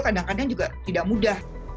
kadang kadang juga tidak mudah